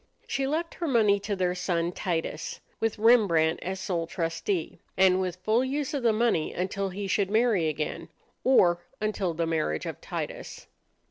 She left her money to their son Titus, with Rembrandt as sole trustee, and with full use of the money until he should marry again or until the marriage of Titus.